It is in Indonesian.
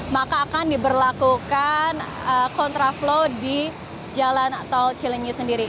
maka akan diberlakukan kontraflow di jalan tol cilenyi sendiri